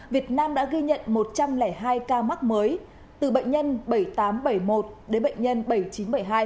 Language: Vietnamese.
việt nam đã ghi nhận một trăm linh hai ca mắc mới từ bệnh nhân bảy nghìn tám trăm bảy mươi một đến bệnh nhân bảy nghìn chín trăm bảy mươi hai